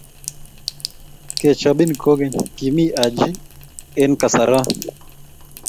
Kechobin kokeny, kime Haji eng kasaroe.